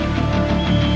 aku akan menang